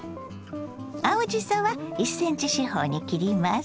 青じそは１ｃｍ四方に切ります。